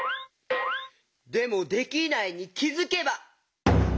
でも「できないに気づけば」？